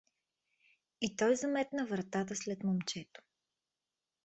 — И той заметна вратата след момчето.